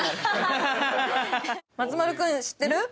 松丸君知ってる？